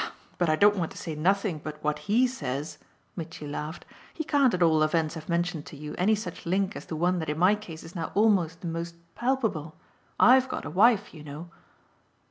"Ah but I don't want to say nothing but what 'he' says!" Mitchy laughed. "He can't at all events have mentioned to you any such link as the one that in my case is now almost the most palpable. I'VE got a wife, you know."